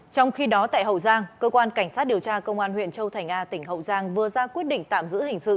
trong khi đó tại hậu giang cơ quan cảnh sát điều tra công an huyện châu thành a tỉnh hậu giang vừa ra quyết định tạm giữ hình sự